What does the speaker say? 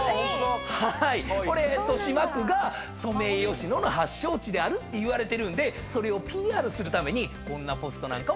これ豊島区がソメイヨシノの発祥地であるといわれてるんでそれをＰＲするためにこんなポストなんかも。